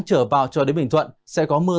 trở vào cho đến bình thuận sẽ có mưa